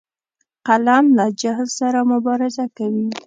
قلم له جهل سره مبارزه کوي